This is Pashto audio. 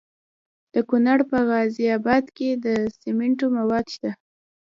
د کونړ په غازي اباد کې د سمنټو مواد شته.